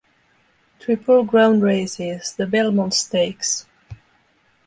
Triple Crown races, the Belmont Stakes.